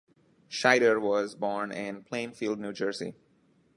Shider was born in Plainfield, New Jersey.